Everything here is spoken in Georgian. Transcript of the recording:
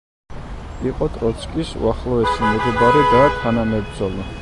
იყო ტროცკის უახლოესი მეგობარი და თანამებრძოლი.